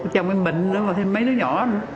chồng em bệnh nữa và thêm mấy đứa nhỏ